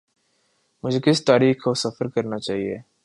مجھے کس تاریخ کو سفر کرنا چاہیے۔